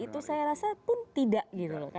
itu saya rasa pun tidak gitu loh